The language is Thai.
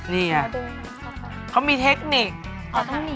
นี่ค่ะเค้ามีเทคนิค